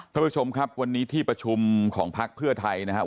ท่านผู้ชมครับวันนี้ที่ประชุมของพักเพื่อไทยนะครับ